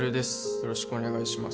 よろしくお願いします